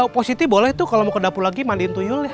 pak siti boleh tuh kalau mau ke dapur lagi mandiin tuyul ya